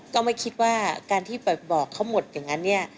ก็ไม่คิดว่าการที่ไปบอกเขาหมดอย่างนั้นเนี่ย